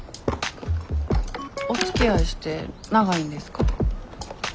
おつきあいして長いんですか？